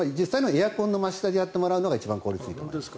エアコンの真下でやってもらうのが一番いいです。